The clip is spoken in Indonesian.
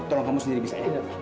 tolong kamu sendiri bisa